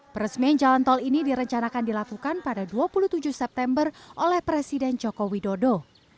peresmian jalan tol ini direncanakan dilakukan pada dua puluh tujuh september oleh presiden joko widodo